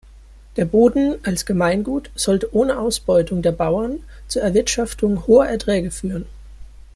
Der Boden als Gemeingut sollte ohne Ausbeutung der Bauern zur Erwirtschaftung hoher Erträge führen.